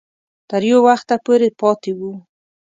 تر یو وخته پورې پاته وو.